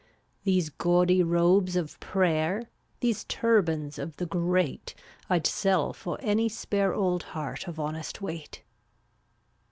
0UUCT These gaudy robes of prayer, * These turbans of the great I'd sell for any spare Old heart of honest weight.